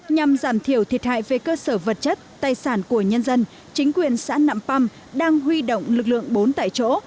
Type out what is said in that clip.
nhằm giảm thiểu thiệt hại về cơ sở vật chất tài sản của nhân dân chính quyền xã nạm păm đang huy động lực lượng bốn tại chỗ